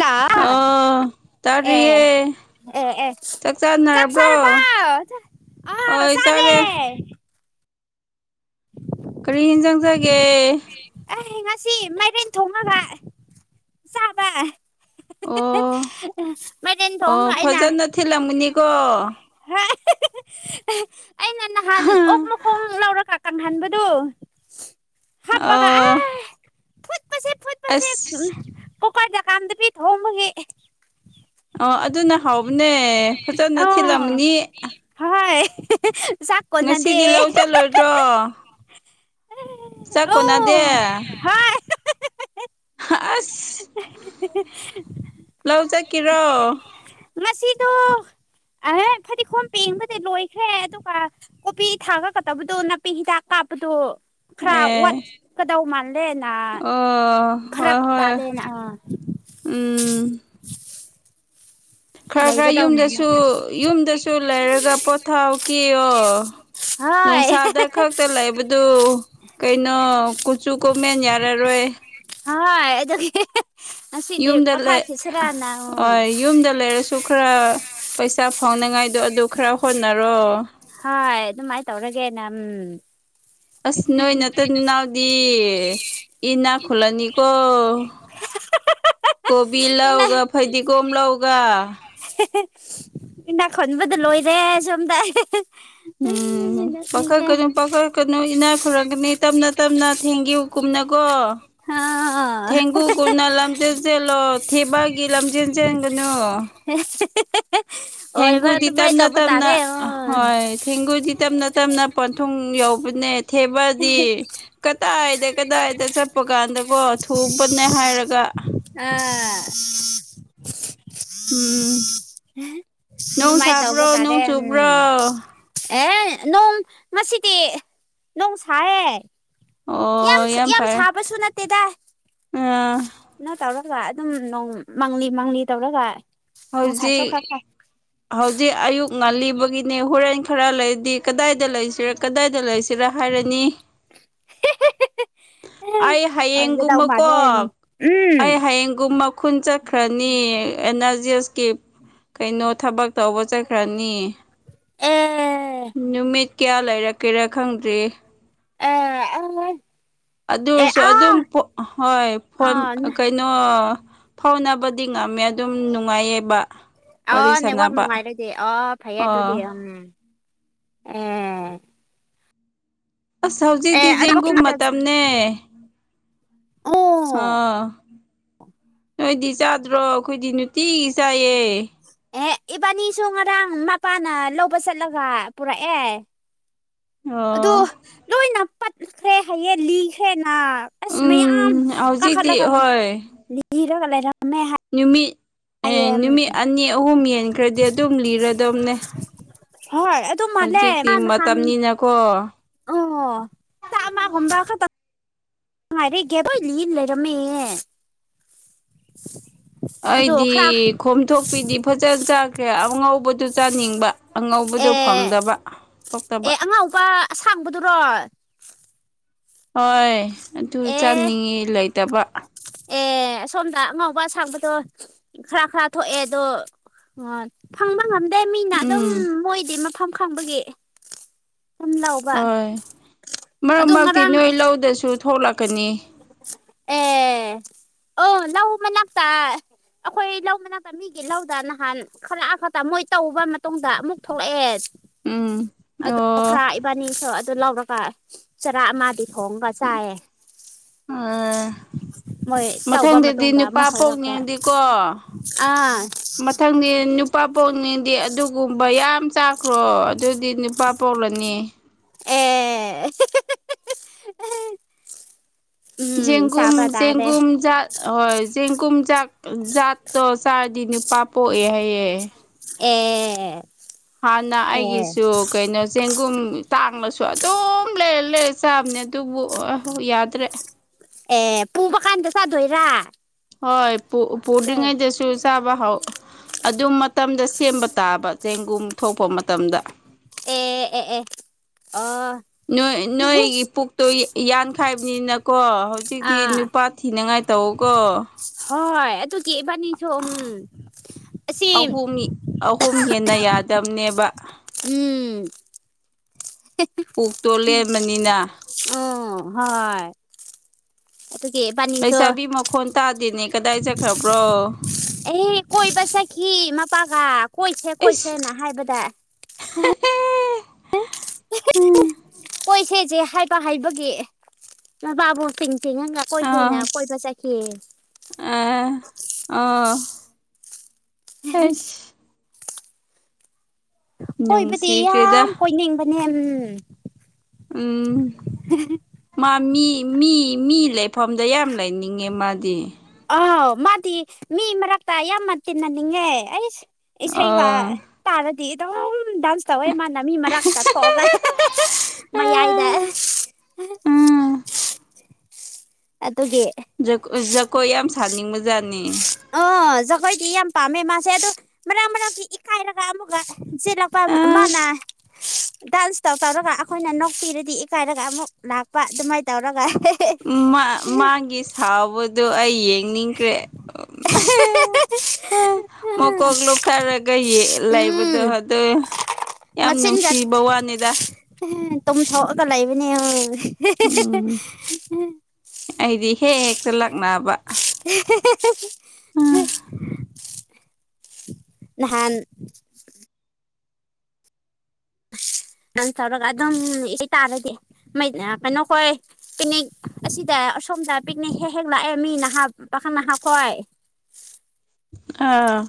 ꯂꯥꯂꯥ ꯑꯣ ꯑꯦ ꯇꯥꯔꯤꯌꯦ ꯑꯦ ꯑꯦ ꯆꯥꯛ ꯆꯥꯛꯆꯥꯔꯕꯣ ꯆꯥꯅꯔꯕ꯭ꯔꯣ ꯑꯥꯎ ꯆꯥꯔꯦ ꯀꯔꯤ ꯏꯟꯁꯥꯡ ꯆꯥꯒꯦ ꯑꯦ ꯉꯁꯤ ꯃꯥꯏꯔꯦꯟ ꯊꯣꯡꯉꯒ ꯆꯥꯕ ꯑꯣ ꯃꯥꯏꯔꯦꯟ ꯑꯣ ꯊꯣꯡꯉꯒ ꯑꯩꯅ ꯐꯖꯅ ꯊꯤꯜꯂꯝꯒꯅꯤꯀꯣ ꯑꯩꯅ ꯅꯍꯥꯟ ꯑꯣꯛ ꯃꯈꯣꯡ ꯂꯧꯔꯒ ꯀꯪꯍꯟꯕꯗꯨ ꯍꯥꯞꯄꯒ ꯑ ꯃꯁꯦꯞ ꯎꯝ ꯀꯨꯀꯥꯗ ꯀꯥꯝꯗꯕꯤ ꯊꯣꯡꯕꯒꯤ ꯑ ꯑꯗꯨꯅ ꯍꯥꯎꯕꯅꯦ ꯐꯖꯅ ꯑꯣ ꯊꯤꯜꯂꯝꯅꯤ ꯍꯣꯏ ꯎꯆꯥꯛ ꯉꯁꯤꯗꯤ ꯂꯧ ꯆꯠꯂꯣꯏꯗ꯭ꯔꯣ [unintelligible] ꯆꯛ ꯀꯣꯅꯗꯦ ꯍꯥꯏ ꯑꯁ ꯂꯧ ꯆꯀꯤꯔꯣ ꯑꯁꯤꯗꯣ ꯑꯍ ꯐꯗꯤꯈꯣꯝ ꯄꯦꯡꯕꯗꯤ ꯂꯣꯏꯈ꯭ꯔꯦ ꯑꯗꯨꯒ ꯀꯣꯄꯤ ꯊꯥꯒꯀꯗꯧꯕꯗꯣ ꯅꯥꯄꯤ ꯍꯤꯗꯥꯛ ꯀꯥꯞꯄꯗꯣ ꯈꯔ ꯑꯦ ꯋꯥꯠꯀꯗꯧ ꯃꯥꯜ ꯂꯦꯅ ꯑꯣ ꯍꯣꯏ ꯐꯔꯛ ꯍꯣꯏ ꯇꯂꯦꯟ ꯑ ꯎꯝ ꯈꯔ ꯈꯔ ꯂꯩꯒꯗꯧ ꯃꯥꯜꯂꯦ ꯌꯨꯝꯗꯁꯨ ꯌꯨꯝꯗꯁꯨ ꯂꯩꯔꯒ ꯄꯣꯊꯥꯎ ꯀꯤꯌꯣ ꯍꯣꯏ ꯅꯣꯡꯁꯥꯗ ꯈꯛꯇ ꯂꯩꯕ ꯗꯨ ꯀꯩꯅꯣ ꯀꯨꯆꯨ ꯀꯨꯃꯦꯟ ꯌꯥꯔꯔꯣꯏ ꯍꯣꯏ ꯑꯗꯨꯒꯤ ꯑꯁꯤꯗꯤ ꯌꯨꯝꯗ ꯄꯣꯊꯥ ꯂꯩ ꯈ꯭ꯔꯁꯤꯔ ꯅꯥꯑꯣ ꯍꯣꯏ ꯌꯨꯝꯗ ꯂꯩꯔꯁꯨ ꯈꯔ ꯄꯩꯁꯥ ꯐꯥꯎꯅꯉꯥꯏꯗꯣ ꯑꯗꯨ ꯈꯔ ꯍꯣꯠꯅꯔꯣ ꯍꯣꯏ ꯑꯗꯨꯃꯥꯏ ꯇꯧꯔꯒꯦ ꯅꯝ ꯑꯁ ꯅꯣꯏ ꯅꯠꯇꯟ ꯅꯥꯎꯗꯤ ꯏꯅꯥꯛ ꯈꯨꯂꯅꯤꯀꯣ ꯀꯣꯕꯤ ꯏꯅꯥꯛ ꯂꯧꯒ ꯐꯩꯗꯤꯒꯣꯝ ꯂꯧꯒ ꯏꯅꯥꯛ ꯈꯨꯟꯕꯗ ꯂꯣꯏꯔꯦ ꯁꯣꯝꯗ ꯎꯝ ꯄꯈꯠ ꯅꯣꯛꯅꯤꯡꯉꯦ ꯀꯅꯨ ꯄꯈ ꯀꯅꯨ ꯏꯅꯥ ꯈꯨꯔꯒꯅꯤ ꯇꯞꯅ ꯇꯞꯅ ꯊꯦꯡꯒꯤꯎ ꯀꯨꯝꯅꯀꯣ ꯍꯥꯥ ꯊꯦꯡꯒꯨꯒꯨꯅ ꯂꯝꯖꯦꯟ ꯆꯦꯜꯂꯣ ꯊꯦꯕꯒꯤ ꯂꯝꯖꯦꯟ ꯆꯦꯟꯒꯅꯨ [unintelligible] ꯑꯣꯏꯕ ꯊꯦꯡꯒꯨꯗꯤ ꯑꯗꯨꯃꯥꯏꯅ ꯇꯞꯅ ꯇꯧꯕ ꯇꯞꯅ ꯇꯥꯔꯦ ꯑ ꯍꯣꯏ ꯊꯦꯡꯒꯨꯗꯤ ꯇꯞꯅ ꯇꯞꯅ ꯄꯟꯊꯨꯡ ꯌꯧꯕꯅꯦ ꯊꯦꯕꯗꯤ ꯀꯗꯥꯏꯗ ꯀꯗꯥꯏꯗ ꯆꯠꯄ ꯀꯥꯟꯗꯒꯣ ꯊꯨꯡꯕꯅꯦ ꯍꯥꯏꯔꯒ ꯑ ꯎꯝ ꯅꯧ ꯑꯗꯨꯃꯥꯏꯅ ꯇꯧꯕ ꯁꯥꯕ꯭ꯔꯣ ꯇꯥꯔꯦ ꯅꯣꯡ ꯎꯝ ꯆꯨꯕ꯭ꯔꯣ ꯑꯦ ꯅꯣꯡ ꯃꯁꯤꯗꯤ ꯅꯣꯡ ꯁꯥꯌꯦ ꯑꯣ ꯌꯥꯝ ꯁ ꯌꯥꯝ ꯐꯔꯦ ꯁꯥꯕꯁꯨ ꯅꯠꯇꯦꯗ ꯑꯥ ꯀꯩꯅꯣ ꯇꯧꯔꯒ ꯑꯗꯨꯝ ꯅꯣꯡ ꯃꯡꯂꯤ ꯃꯡꯂꯤ ꯇꯧꯔꯒ ꯅꯨꯡꯁꯥꯁꯨ ꯍꯧꯖꯤꯛ ꯈꯔ ꯐꯥꯏ ꯍꯧꯖꯤꯛ ꯑꯌꯨꯛ ꯉꯜꯂꯤꯕꯒꯤꯅꯦ ꯍꯣꯔꯦꯟ ꯈꯔ ꯂꯩꯗꯤ ꯀꯗꯥꯏꯗ ꯂꯩꯁꯤꯔ ꯀꯗꯥꯏꯗ ꯂꯩꯁꯤ ꯁꯤꯗ ꯍꯥꯏꯔꯅꯤ ꯑꯦ, ꯑꯩ ꯑꯣꯏꯒꯗꯧ ꯍꯌꯦꯡꯒꯨꯝꯕꯀꯣ ꯃꯥꯜꯂꯦ ꯎꯝ ꯑꯩ ꯍꯌꯦꯡꯒꯨꯝꯕ ꯈꯨꯟ ꯆꯠꯈ꯭ꯔꯅꯤ ꯑꯦꯟ ꯑꯔꯖꯤ ꯑꯦꯁꯀꯤ ꯀꯩꯅꯣ ꯊꯕꯛ ꯇꯧꯕ ꯆꯠꯈ꯭ꯔꯅꯤ ꯑꯦ ꯅꯨꯃꯤꯠ ꯀ꯭ꯌꯥ ꯂꯩꯔꯛꯀꯦꯔꯥ ꯈꯪꯗ꯭ꯔꯤ ꯑ ꯑꯗꯨꯁꯨ ꯑꯗꯨꯝ ꯄꯣ ꯑ ꯍꯣꯏ ꯐꯣꯟ ꯑꯥ ꯅ- ꯀꯩ ꯅꯣ ꯐꯥꯎꯅꯕꯗꯤ ꯉꯝꯃꯦ ꯑꯗꯨꯝ ꯅꯨꯡꯉꯥꯏꯌꯦꯕ ꯋꯥꯔꯤ ꯑꯣ ꯅꯦꯠꯋꯥꯛ ꯁꯥꯟꯅꯕ ꯅꯨꯡꯉꯥꯏꯔꯗꯤ ꯑꯣ ꯐꯩꯌꯦ ꯑꯣ ꯑꯗꯨꯗꯤ ꯎꯝ ꯑꯦ ꯑꯁ ꯍꯧꯖꯤꯛꯇꯤ ꯑꯦ ꯑꯗꯨꯗꯤ ꯖꯦꯡꯒꯨꯝ ꯑꯗ- ꯃꯇꯝꯅꯦ ꯑꯣ ꯑꯥ ꯅꯣꯏꯗꯤ ꯆꯥꯗ꯭ꯔꯣ ꯑꯩꯈꯣꯏꯗꯤ ꯅꯨꯡꯇꯤꯒꯤ ꯆꯥꯏꯌꯦ ꯑꯦ ꯏꯕꯥꯅꯤꯁꯨ ꯉꯔꯥꯡ ꯃꯄꯥꯅ ꯂꯧꯕ ꯆꯠꯂꯒ ꯄꯨꯔꯛꯑꯦ ꯑꯗ ꯑꯣ ꯂꯣꯏꯅ ꯄꯠꯈ꯭ꯔꯦ ꯍꯥꯏꯌꯦꯡ ꯂꯤꯈ꯭ꯔꯦꯅ ꯑꯁ ꯃꯌꯥꯝ ꯎꯝ ꯍꯧꯖꯤꯛꯇꯤ ꯀꯥꯈꯠꯂꯒꯥ ꯍꯣꯏ ꯂꯤꯔꯒ ꯂꯩꯔꯝꯃꯦ ꯍꯥꯏ ꯅꯨꯃꯤꯠ ꯅꯨꯃꯤꯠ ꯑꯅꯤ ꯑꯍꯨꯝ ꯍꯦꯟꯈ꯭ꯔꯗꯤ ꯑꯗꯨꯝ ꯂꯤꯔꯗꯧꯅꯦ ꯍꯣꯏ ꯑꯗꯨ ꯃꯥꯜꯂꯦ ꯃꯥ ꯅꯍꯥꯟ ꯃꯇꯝꯅꯤꯅꯀꯣ ꯑꯣ ꯆꯥꯝꯃꯥ ꯒꯨꯝꯕ ꯈꯛꯇꯪ ꯉꯔꯦꯒꯦꯕ ꯂꯩꯔꯝꯃꯦ ꯑꯩꯗꯤ ꯈꯣꯝꯊꯣꯛꯄꯤꯗꯤ ꯐꯖꯅ ꯆꯥꯈ꯭ꯔꯦ ꯑꯉꯧꯕꯗꯨ ꯆꯥꯅꯤꯡꯕ ꯑꯦ ꯑꯉꯧꯕꯗꯨ ꯐꯪꯗꯕ ꯊꯣꯛꯇꯕ ꯄꯥ ꯑꯥꯁꯥꯡꯕꯗꯨꯔꯣ ꯍꯣꯏ ꯑꯗꯨ ꯑꯦ ꯆꯥꯅꯤꯡꯉꯦ ꯂꯩꯇꯕ ꯑꯦ ꯑꯁꯣꯝꯗ ꯑꯉꯧꯕ ꯑꯁꯥꯡꯕꯗꯣ ꯈꯔ ꯈꯔ ꯊꯣꯛꯑꯦ ꯑꯗꯣ ꯎ ꯐꯪꯕ ꯉꯝꯗꯦ ꯃꯤꯅ ꯑꯗꯨꯝ ꯎꯝ ꯃꯣꯏꯗꯤ ꯃꯐꯝ ꯈꯪꯕꯒꯤ ꯑꯗꯨꯝ ꯂꯧꯕ ꯍꯣꯏ ꯃꯔꯛ ꯑꯗꯣ ꯃꯔꯛꯇꯤ ꯉꯔꯥꯡ ꯅꯣꯏ ꯂꯧꯗꯁꯨ ꯊꯣꯛꯂꯛꯀꯅꯤ ꯑꯦ ꯑꯣ ꯂꯧ ꯃꯅꯥꯛꯇ ꯑꯩꯈꯣꯏ ꯂꯧ ꯃꯅꯥꯛꯇ ꯃꯤꯒꯤ ꯂꯧꯗ ꯅꯍꯥꯟ ꯈꯔꯛ ꯈꯛꯇ ꯃꯣꯏ ꯇꯧꯔꯕ ꯃꯇꯨꯡꯗ ꯑꯃꯨꯛ ꯊꯣꯛꯂꯛꯑꯦ ꯎꯝ ꯑꯣ ꯕꯥꯅꯤꯁꯨ ꯑꯗꯨ ꯂꯧꯔꯒ ꯆꯔꯥ ꯑꯃꯗꯤ ꯈꯣꯡꯒ ꯆꯥꯏꯌꯦ ꯑꯥ ꯃꯣꯏ ꯇꯧꯕ ꯃꯊꯪꯗꯗꯤ ꯃꯇꯨꯡꯗ ꯅꯨꯄꯥ ꯑꯃꯨꯛ ꯍꯧꯔꯛꯄ ꯄꯣꯛꯅꯤꯡꯗꯤꯀꯣ ꯑꯥ ꯃꯊꯪꯗꯤ ꯅꯨꯄꯥ ꯄꯣꯛꯅꯤꯡꯗꯤ ꯑꯗꯨꯒꯨꯝꯕ ꯌꯥꯝ ꯆꯥꯎ ꯀꯣ ꯑꯗꯨꯗꯤ ꯅꯨꯄꯥ ꯄꯣꯛꯂꯅꯤ ꯑꯦ ꯎꯝ ꯆꯦꯡꯒꯨꯝ ꯆꯥꯕ ꯇꯥꯔꯦ ꯆꯦꯡꯒꯨꯝ ꯆꯥꯛ ꯍꯣꯏ ꯆꯦꯡꯒꯨꯝꯖꯥꯛ ꯖꯥꯠꯇꯣ ꯆꯥꯔꯗꯤ ꯅꯨꯄꯥ ꯄꯣꯛꯑꯦ ꯍꯥꯏꯌꯦ ꯑꯦ ꯍꯥꯟꯅ ꯑꯦ ꯑꯩꯒꯤꯁꯨ ꯀꯩꯅꯣ ꯆꯦꯡꯒꯨꯝ ꯇꯥꯡꯂꯁꯨ ꯑꯗꯨꯝ ꯂꯩꯔꯥ ꯂꯩꯔꯥ ꯆꯥꯕꯅꯦ ꯑꯗꯨꯕꯨ ꯑ ꯌꯥꯗ꯭ꯔꯦ ꯑꯦ ꯄꯨꯕ ꯀꯥꯟꯗ ꯆꯥꯗꯣꯏꯔꯥ ꯍꯣꯏ ꯄꯨ ꯑꯦ ꯄꯨꯗꯔ꯭ꯤꯉꯩꯗꯁꯨ ꯆꯥꯕ ꯍꯧ ꯑꯗꯨ ꯃꯇꯝꯗ ꯁꯦꯝꯕ ꯇꯥꯕ ꯆꯦꯡꯒꯨꯝ ꯊꯣꯛꯄ ꯃꯇꯝꯗ ꯑꯦ ꯑꯦ ꯑꯦ ꯑꯥ ꯅꯣꯏꯒꯤ ꯄꯨꯛꯇꯣ ꯌꯥꯟꯈꯥꯏꯕꯅꯤꯅ ꯀꯣ ꯍꯧꯖꯤꯛꯇꯤ ꯑꯥ ꯅꯨꯄꯥ ꯊꯤꯅꯤꯡꯉꯥꯏ ꯇꯧꯑꯣꯀꯦ ꯍꯣꯏ ꯑꯗꯨꯒꯤ ꯏꯕꯥꯅꯤꯁꯨ ꯎꯝ ꯑꯁꯤ ꯑꯍꯨꯝ ꯑꯍꯨꯝ ꯍꯦꯟꯅ ꯌꯥꯗꯝꯕꯅꯦꯕ ꯎꯝ ꯄꯨꯛꯇꯣ ꯂꯦꯝꯕꯅꯤꯅ ꯎꯝ ꯍꯣꯏ ꯑꯗꯨꯒꯤ ꯏꯕꯥꯅꯤ ꯂꯩꯁꯥꯕꯤ ꯃꯈꯣꯟ ꯇꯥꯗꯦꯅꯦ ꯀꯗꯥꯏ ꯆꯠꯈ꯭ꯔꯕ꯭ꯔꯣ ꯑꯦ ꯀꯣꯏꯕ ꯆꯠꯈꯤ ꯃꯄꯥꯒ ꯀꯣꯏꯁꯦ ꯏꯁ ꯀꯣꯏꯁꯦꯅ ꯍꯥꯏꯕꯗ ꯎꯝ ꯀꯣꯏꯁꯦꯁꯦ ꯍꯥꯏꯕ ꯍꯩꯕꯒꯤ ꯃꯕꯥꯕꯨ ꯄꯤꯡ ꯇꯤꯡꯉꯒ ꯀꯣꯏꯁꯦꯅ ꯀꯣꯏꯕ ꯆꯠ ꯑꯣ ꯑ ꯑꯣ ꯑꯁ ꯀꯣꯏꯕꯗꯤ ꯅꯨꯡꯁꯤꯈ꯭ꯔꯦꯗ ꯌꯥꯝ ꯀꯣꯏꯅꯤꯡꯕꯅꯦ ꯎꯝ ꯎꯝ ꯃꯥ ꯃꯤ ꯃꯤ ꯃꯤ ꯂꯩꯐꯝꯗ ꯌꯥꯝ ꯂꯩꯅꯤꯡꯉꯦ ꯃꯥꯗꯤ ꯑꯥꯎ ꯃꯥꯗꯤ ꯃꯤ ꯃꯔꯛꯇ ꯌꯥꯝꯅ ꯇꯤꯟꯅꯅꯤꯡꯉꯦ ꯑꯩ ꯏꯁꯩꯒ ꯑꯥ ꯇꯥꯔꯥꯗꯤ ꯇꯣ ꯗꯥꯟꯁ ꯇꯧꯋꯦ ꯂꯝꯃꯤ ꯃꯔꯛꯛꯇꯥꯊꯣꯛꯑꯒ ꯃꯌꯥꯏꯗ ꯑꯗꯨꯒꯤ ꯖꯒꯣ ꯖꯒꯣꯏ ꯌꯥꯝ ꯁꯥꯅꯤꯡꯕ ꯖꯥꯠꯅꯤ ꯑꯣ ꯆ ꯖꯒꯣꯏꯗꯤ ꯌꯥꯝ ꯄꯥꯝꯃꯦ ꯃꯥꯁꯦ ꯇꯣ ꯃꯔꯛ ꯃꯔꯛꯀꯤ ꯏꯀꯥꯏ ꯔꯒ ꯑꯃꯨꯛꯀ ꯆꯦꯜꯂꯛꯄ ꯑꯥ ꯃꯥꯅ ꯗꯥꯟꯁ ꯇꯧ ꯇꯧꯔꯒ ꯑꯩꯈꯣꯏꯅ ꯅꯣꯛꯄꯤꯔꯗꯤ ꯏꯀꯥꯏꯔꯒ ꯑꯃꯨꯛ ꯂꯥꯛꯄ ꯑꯗꯨꯃꯥꯏꯅ ꯇꯧꯔꯒ ꯃꯥꯒꯤ ꯁꯥꯎꯕꯗꯣ ꯑꯩ ꯌꯦꯡꯅꯤꯡꯈ꯭ꯔꯦ ꯑꯍꯦꯍꯦꯍꯦ ꯎ ꯃꯀꯣꯛ ꯂꯨꯞꯊꯔꯒ ꯌꯦ ꯂꯩꯕꯗꯣ ꯎꯝ ꯑꯗꯨ ꯌꯥꯝ ꯅꯨꯡꯁꯤ ꯕꯋꯥꯅꯤꯗ ꯇꯨꯝ ꯊꯣꯛꯒ ꯂꯩꯕꯅꯤ ꯑ ꯎꯝ ꯑꯩꯗꯤ ꯍꯦꯛ ꯍꯦꯛꯇ ꯂꯛꯅꯕ ꯅꯍꯥꯟ ꯅꯪ ꯇꯧꯔꯒ ꯑꯗꯨꯝ ꯏꯁꯩꯇꯥꯥꯔꯗꯤ ꯃꯩ ꯑ ꯀꯩꯅꯣꯈꯣꯏ ꯄꯤꯛꯅꯤꯛ ꯑꯁꯤꯗ ꯑꯁꯣꯝꯗ ꯄꯤꯛꯅꯤꯛ ꯍꯦꯛ ꯍꯦꯛ ꯂꯥꯛꯑꯦ ꯃꯤ ꯅꯍꯥ ꯄꯥꯈꯪ ꯅꯍꯥꯈꯣꯏ ꯑꯥ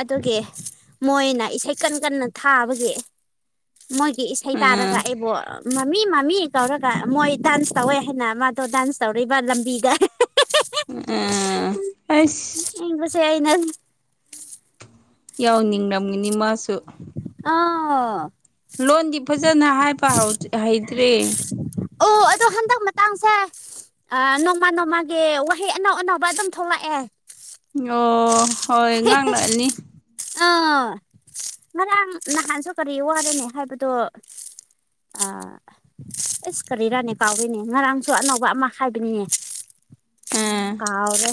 ꯑꯗꯨꯒꯤ ꯃꯣꯏꯅ ꯏꯁꯩ ꯀꯟ ꯀꯟꯅ ꯊꯥꯕꯒꯤ ꯃꯣꯏꯒꯤ ꯏꯁꯩ ꯇꯥꯔꯒ ꯎꯝ ꯑꯩꯕꯨꯣ ꯃꯃꯤ ꯃꯃꯤ ꯀꯧꯔꯒ ꯃꯣꯏ ꯗꯥꯟꯁ ꯇꯧꯋꯦ ꯍꯥꯏꯅ ꯃꯥꯗꯣ ꯗꯥꯟꯁ ꯇꯧꯔꯤꯕ ꯂꯝꯕꯤꯗ ꯍꯥꯏꯁ ꯅꯨꯡꯁꯤꯕꯁꯦ ꯑꯩꯅ ꯌꯥꯎꯅꯤꯡꯔꯝꯒꯅꯤ ꯃꯥꯁꯨ ꯑꯥ ꯂꯣꯟꯗꯤ ꯐꯖꯅ ꯍꯥꯏꯕ ꯍꯧꯗꯔꯤ ꯍꯩꯇ꯭ꯔꯦ ꯎ ꯑꯗꯨ ꯍꯟꯖꯛ ꯃꯇꯥꯡꯁꯦ ꯅꯣꯡꯃ ꯅꯣꯡꯃꯥꯒꯤ ꯋꯥꯍꯩ ꯑꯅꯧ ꯑꯅꯧꯕ ꯑꯗꯨꯝ ꯊꯣꯛꯂꯛꯑꯦ ꯑꯣ ꯍꯣꯏ ꯉꯥꯡꯂꯥꯛꯑꯅꯤ ꯑꯥ ꯉꯔꯥꯡ ꯅꯍꯥꯟꯁꯨ ꯀꯔꯤ ꯋꯥꯔꯅꯤ ꯍꯥꯏꯕꯗꯣ ꯑ ꯑꯁ ꯀꯔꯤꯔꯥꯅꯤ ꯀꯥꯎꯗꯅꯦ ꯉꯔꯥꯡꯁꯨ ꯑꯅꯧꯕ ꯑꯃ ꯍꯥꯏꯕꯅꯤꯅꯦ ꯑꯥ ꯀꯥꯎꯗꯦ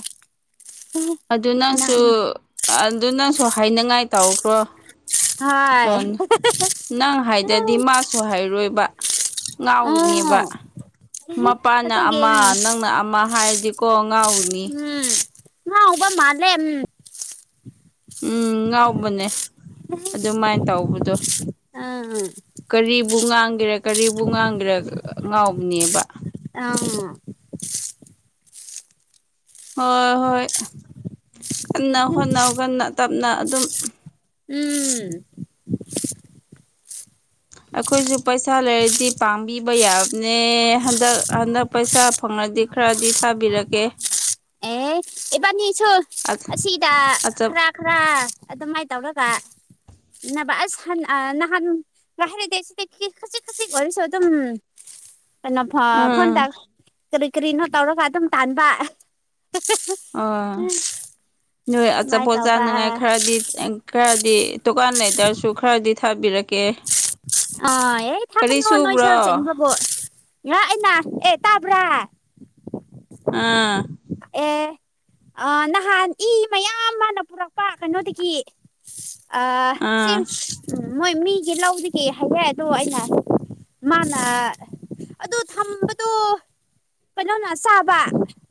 ꯑꯗꯨ ꯅꯪꯁꯨ ꯑꯗꯨ ꯅꯪꯁꯨ ꯍꯥꯏꯅꯉꯥꯏ ꯇꯧꯈ꯭ꯔꯣ ꯍꯣꯏ ꯅꯪ ꯍꯥꯏꯗꯗꯤ ꯃꯥꯁꯨ ꯍꯥꯏꯔꯣꯏꯕ ꯉꯥꯎꯅꯦꯕ ꯑꯣ ꯃꯄꯥꯥꯅ ꯑꯗꯨꯒꯤ ꯑꯃ ꯅꯪꯅ ꯑꯃ ꯍꯥꯏꯔꯗꯤꯀꯣ ꯉꯥꯎꯅꯤ ꯎꯝ ꯉꯥꯎꯕ ꯃꯥꯜꯂꯦ ꯎꯝ ꯎꯝ ꯉꯥꯎꯕꯅꯦ ꯑꯗꯨꯃꯥꯏꯅ ꯇꯧꯕꯗꯣ ꯑꯥ ꯀꯔꯤꯕꯨ ꯉꯥꯡꯒꯦꯔꯥ ꯀꯔꯤꯕꯨ ꯉꯥꯡꯒꯦꯔꯥ ꯉꯥꯎꯕꯅꯦꯕ ꯑꯪ ꯍꯣꯏ ꯍꯣꯏ ꯀꯟꯅ ꯍꯣꯠꯅꯧ ꯀꯟꯅ ꯇꯞꯅ ꯑꯗꯨꯝ ꯎꯝꯝ ꯑꯩꯈꯣꯏꯁꯨ ꯄꯩꯁꯥ ꯂꯩꯔꯗꯤ ꯄꯥꯝꯕꯤꯕ ꯌꯥꯕꯅꯦ ꯍꯟꯗꯛ ꯍꯟꯗꯛ ꯄꯩꯁꯥ ꯐꯪꯂꯅꯗꯤ ꯈꯔꯗꯤ ꯊꯥꯕꯤꯔꯀꯦ ꯑꯦ ꯏꯕꯥꯅꯤꯁꯨ ꯑꯁꯤꯗ ꯑꯆꯞ ꯈꯔ ꯈꯔ ꯑꯗꯨꯃꯥꯏꯅ ꯇꯧꯔꯒ ꯅꯕ ꯑꯁ ꯅꯍꯥꯟ ꯉꯍꯥꯛ ꯂꯩꯇꯦ ꯁꯤꯗ ꯈꯤ ꯈꯖꯤꯛ ꯈꯖꯤꯛ ꯑꯣꯐꯔꯁꯨ ꯑꯗꯨꯝ ꯀꯩꯅꯣ ꯐꯣꯟꯗ ꯎꯝ ꯀꯔꯤ ꯀꯔꯤꯅꯣ ꯇꯧꯔꯒ ꯑꯗꯨꯝ ꯇꯥꯟꯕ ꯑꯥ ꯅꯣꯏ ꯃꯥꯏ ꯑꯆꯥꯄꯣꯠ ꯇꯧꯕ ꯆꯥꯅꯉꯥꯏ ꯈꯔꯗꯤ ꯑꯦꯡ ꯈꯔꯗꯤ ꯗꯨꯀꯥꯟ ꯂꯩꯇꯥꯔꯁꯨ ꯈꯔꯗꯤ ꯊꯥꯕꯤꯔꯛꯀꯦ ꯑ ꯑꯦ ꯀꯔꯤ ꯊꯥꯛꯀꯅꯣ ꯅꯣꯏ ꯁꯨꯕ꯭ꯔꯣ ꯆꯅ ꯍꯣ ꯌꯥꯥꯛ ꯑꯅꯥ ꯑꯦ ꯇꯥꯕ꯭ꯔꯥ ꯑꯥ ꯑꯦ ꯑꯥ ꯅꯍꯥꯟ ꯏ ꯃꯌꯥꯝ ꯃꯥꯥꯅ ꯄꯨꯔꯛꯄ ꯀꯩꯅꯣꯗꯒꯤ ꯑ ꯑꯥ ꯁꯤꯝ ꯎꯝ ꯃꯣꯏ ꯃꯤꯒꯤ ꯂꯧꯗꯒꯦ ꯍꯥꯏꯌꯦ ꯑꯗꯣ ꯑꯩꯅ ꯃꯥꯅ ꯑꯗꯨ ꯊꯝꯕꯗꯣ ꯀꯩꯅꯣꯅ ꯆꯥꯕ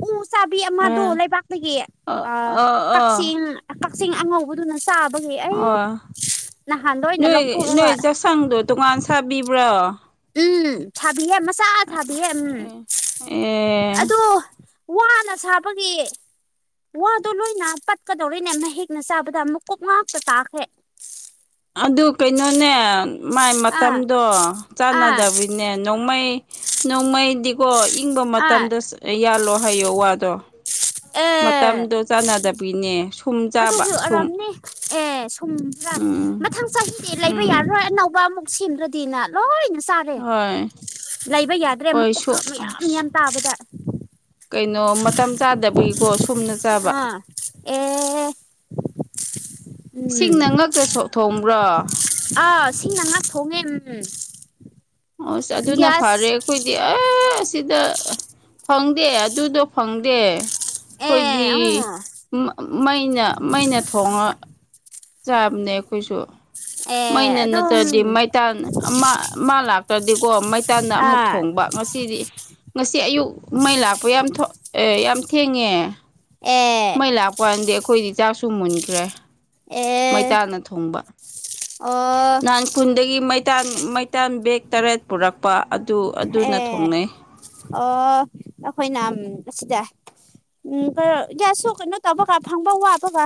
ꯎ ꯆꯥꯕꯤ ꯑꯥ ꯑꯃꯗꯣ ꯂꯩꯕꯥꯛꯇꯒꯤ ꯑꯣ ꯑ ꯑꯣ ꯑꯣ ꯀꯛꯆꯤꯡ ꯀꯛꯆꯤꯡ ꯑꯉꯧ ꯕꯨꯗꯨꯅ ꯆꯥꯕꯒꯤ ꯑꯩ ꯑꯣ ꯅꯍꯥꯟ ꯂꯣꯏꯅ ꯂꯧꯊꯣꯛꯑꯒ ꯁꯪꯗꯣ ꯇꯣꯉꯥꯟ ꯁꯥꯕꯤꯕ꯭ꯔꯣ ꯎꯝ ꯁꯥꯕꯤꯌꯦ ꯃꯆꯥꯥ ꯁꯥꯕꯤꯌꯦ ꯎꯝ ꯑꯦ ꯑꯗꯣ ꯋꯥꯅ ꯁꯥꯕꯒꯤ ꯋꯥꯗꯣ ꯂꯣꯏꯅ ꯄꯠꯀꯗꯧꯔꯤꯅꯦ ꯃꯍꯤꯛꯅ ꯆꯥꯕꯗ ꯃꯨꯀꯨꯞ ꯉꯥꯛꯇ ꯇꯥꯈ꯭ꯔꯦ ꯑꯗꯨ ꯀꯩꯅꯣꯅꯦ ꯃꯥꯏ ꯑꯥ ꯃꯇꯝꯗꯣ ꯑꯥ ꯆꯥꯟꯅꯗꯕꯤꯅꯦ ꯅꯣꯡꯃꯩ ꯅꯣꯡꯃꯩꯗꯤꯀꯣ ꯏꯪꯕ ꯑꯥ ꯃꯇꯝꯗ ꯌꯥꯜꯂꯣ ꯍꯥꯏꯌꯣ ꯋꯥꯗꯣ ꯑꯦ ꯃꯇꯝꯗꯣ ꯆꯥꯟꯅꯗꯕꯤꯅꯦ ꯁꯨꯛ ꯑꯗꯨꯒꯤ ꯑꯣꯏꯔꯝꯅꯤ ꯑꯦ ꯁꯨꯝꯕꯔꯥ ꯎꯝ ꯃꯊꯪ ꯆꯍꯤꯗꯤ ꯂꯩꯕ ꯎꯝ ꯌꯥꯔꯔꯣꯏ ꯑꯅꯧꯕ ꯑꯃꯨꯛ ꯁꯦꯝꯗ꯭ꯔꯗꯤꯅ ꯂꯣꯏꯅ ꯆꯥꯔꯦ ꯍꯣꯏ ꯂꯩꯕ ꯌꯥꯗ꯭ꯔꯦ ꯍꯣꯏ ꯁꯨ ꯃꯀꯨꯞꯂꯞ ꯃꯌꯥꯝ ꯌꯥꯝ ꯇꯥꯕꯗ ꯀꯩꯅꯣ ꯃꯇꯝ ꯆꯥꯗꯕꯤꯒꯤꯀꯣ ꯁꯨꯝꯅ ꯆꯥꯕ ꯑꯥ ꯑꯦ ꯎꯝ ꯁꯤꯡꯅ ꯉꯛꯇ ꯁꯣ ꯊꯣꯡꯕ꯭ꯔꯣ ꯑꯥ ꯁꯤꯡꯅ ꯉꯛ ꯊꯣꯡꯉꯦ ꯎꯝ ꯑꯁ ꯑꯗꯨꯅ ꯐꯔꯦ ꯒ꯭ꯌꯥꯁ ꯑꯩꯈꯣꯏꯗꯤ ꯑ ꯑ ꯁꯤꯗ ꯐꯪꯗꯦ ꯑꯗꯨꯗꯣ ꯐꯪꯗꯦ ꯑꯦ ꯑꯩꯈꯣꯏꯗꯤ ꯑꯥ ꯃ ꯃꯩꯅ ꯃꯩꯅ ꯊꯣꯡꯉ ꯆꯥꯕꯅꯦ ꯑꯩꯈꯣꯏꯁꯨ ꯑꯦ ꯃꯩꯅ ꯑꯗꯨꯝ ꯅꯠꯇ꯭ꯔꯗꯤ ꯃꯩꯇꯥꯟ ꯑꯃ ꯃꯥ ꯂꯥꯛꯇ꯭ꯔꯗꯤꯀꯣ ꯃꯩꯇꯥꯟꯗ ꯑꯃꯨꯛ ꯑꯥ ꯊꯣꯡꯕ ꯉꯁꯤꯗꯤ ꯉꯁꯤ ꯑꯌꯨꯛ ꯃꯩ ꯂꯥꯛꯄ ꯌꯥꯝ ꯊꯣꯛ ꯑꯦ ꯌꯥꯝ ꯊꯦꯡꯉꯦ ꯑꯦ ꯃꯩ ꯂꯥꯛꯄꯥꯟꯗꯤ ꯑꯩꯈꯣꯏꯗꯤ ꯆꯥꯛꯁꯨ ꯃꯨꯟꯈ꯭ꯔꯦ ꯑꯦ ꯃꯩꯇꯥꯥꯅ ꯊꯣꯡꯕ ꯑꯣ ꯇꯥꯡꯄꯨꯟꯗꯒꯤ ꯃꯩꯇꯥꯟ ꯃꯩꯇꯥꯟ ꯕꯦꯛ ꯇꯔꯦꯠ ꯄꯨꯔꯛꯄ ꯑꯗꯨ ꯑꯗꯨꯅ ꯑꯦ ꯊꯣꯡꯅꯩ ꯑꯣ ꯑꯩꯈꯣꯏꯅ ꯑꯁꯤꯗ ꯎꯝ ꯀꯣ ꯒ꯭ꯌꯥꯁꯁꯨ ꯀꯩꯅꯣ ꯇꯧꯕꯒ ꯐꯪꯕ ꯋꯥꯕꯒ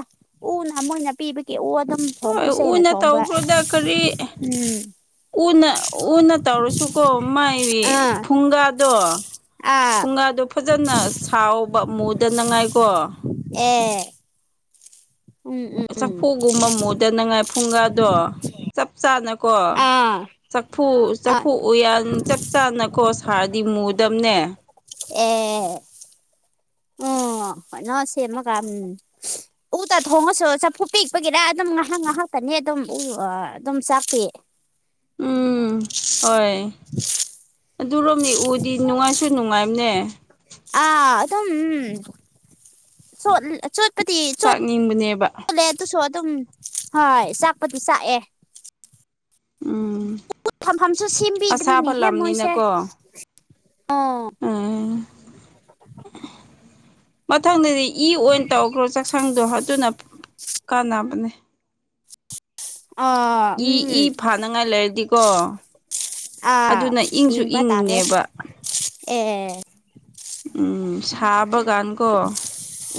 ꯎꯅ ꯃꯣꯏꯅ ꯄꯤꯕꯒꯤ ꯎ ꯑꯗꯨꯝ ꯍꯣꯏ ꯊꯣꯡꯈ꯭ꯔꯁꯦꯅ ꯎꯅ ꯊꯣꯡꯕ ꯇꯧꯈ꯭ꯔꯣꯗ ꯀꯔꯤ ꯎꯝ ꯎꯅ ꯎꯅ ꯇꯧꯔꯁ ꯁꯨꯀꯣ ꯃꯥꯏ ꯑꯥ ꯐꯨꯡꯒꯥꯗꯣ ꯑꯥ ꯐꯨꯡꯒꯥꯗꯣ ꯐꯖꯅ ꯁꯥꯋꫭꯕ ꯃꯨꯗꯅꯉꯥꯏꯀꯣ ꯑꯦ ꯎꯝ ꯎꯝ ꯎꯝ ꯆꯐꯨꯒꯨꯝꯕ ꯃꯨꯗꯅꯉꯥꯏ ꯐꯨꯡꯒꯥꯗꯣ ꯆꯞ ꯆꯥꯅꯀꯣ ꯑꯥ ꯆꯐꯨ ꯑꯥ ꯆꯐꯨ ꯎꯌꯥꯟ ꯆꯞ ꯆꯥꯅꯀꯣ ꯁꯥꯔꯗꯤ ꯃꯨꯗꯕꯅꯦ ꯑꯦ ꯎꯝ ꯍꯅꯣ ꯁꯦꯝꯃꯒꯝ ꯎꯗ ꯊꯣꯡꯉꯁꯨ ꯆꯐꯨ ꯄꯤꯛꯄꯒꯤꯔ ꯑꯗꯨꯝ ꯉꯥꯍꯥꯛ ꯉꯥꯍꯥꯛꯇꯅꯤ ꯑꯗꯨꯝ ꯎ ꯑꯗꯨꯝ ꯆꯥꯛꯄꯤ ꯎꯝ ꯍꯣꯏ [inaudible] ꯑꯗꯨꯔꯣꯝꯅꯤ ꯎꯗꯤ ꯅꯨꯡꯉꯥꯏꯁꯨ ꯅꯨꯡꯉꯥꯏꯕꯅꯦ ꯑ ꯑꯗꯨꯝ ꯎꯝ ꯆꯣꯠ ꯆꯣꯠꯄꯗꯤ ꯆꯣꯠ ꯆꯥꯛꯅꯤꯡꯕꯅꯦꯕ ꯂꯦ ꯑꯗꯨꯁꯨ [unintelligible] ꯑꯗꯨꯝ ꯍꯣꯏ ꯆꯥꯛꯄꯗꯤ ꯆꯥꯛꯑꯦ ꯎꯝ ꯊꯝꯐꯝꯁꯨ ꯑꯁꯥꯕ ꯁꯦꯝꯕꯤꯗ꯭ꯔꯤꯅꯦꯍꯦ ꯃꯣꯏꯁꯦ ꯂꯝꯅꯤꯅꯀꯣ ꯑꯣ ꯎꯝ [inaudible] ꯃꯊꯪꯗꯗꯤ ꯏ ꯑꯣꯏꯅ ꯇꯧꯈ꯭ꯔꯣ ꯆꯥꯛꯁꯪꯗꯣ ꯑꯗꯨꯅ ꯀꯥꯟꯅꯕꯅꯦ ꯑꯥ ꯏ ꯎꯝ ꯏ ꯐꯥꯟꯅꯉꯥꯏ ꯂꯩꯔꯗꯤꯀꯣ ꯑꯥ ꯑꯗꯨꯅ ꯏꯪꯁꯨ ꯌꯦꯡꯕ ꯇꯥꯔꯦ ꯏꯪꯉꯤꯅꯦꯕ ꯑꯦ ꯎꯝ ꯁꯥꯥꯕꯒꯥꯟ ꯀꯣ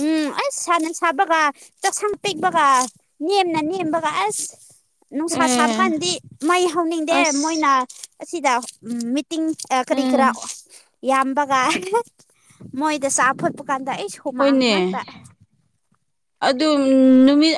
ꯎꯝ ꯑꯁ ꯁꯥꯟꯅ ꯁꯥꯕꯒ ꯆꯥꯛꯁꯪ ꯄꯤꯛꯕꯒ ꯅꯦꯝꯅ ꯅꯦꯝꯕꯒ ꯑꯁ ꯅꯨꯡꯁꯥ ꯁꯥꯕ ꯑꯦ ꯀꯥꯟꯗꯤ ꯃꯩ ꯍꯧꯅꯤꯡꯗꯦ ꯑꯁ ꯃꯣꯏꯅ ꯑꯁꯤꯗ ꯎꯝ ꯃꯤꯠ ꯇꯤꯡ ꯀꯔꯤ ꯀꯔꯥ ꯎꯝ ꯌꯥꯝꯕꯒ ꯃꯣꯏꯗ ꯆꯥ ꯐꯨꯠꯄ ꯀꯥꯟꯗ ꯑꯩꯁꯨ ꯍꯣꯏꯅꯦ ꯑꯗꯨ ꯅꯨꯃꯤꯠ